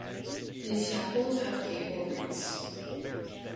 These chapels have gable roofs.